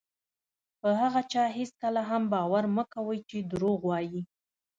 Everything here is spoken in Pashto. په هغه چا هېڅکله هم باور مه کوئ چې دروغ وایي.